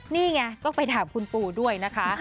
นี่ไงก็ไปถามคุณปู่ด้วยนะคะ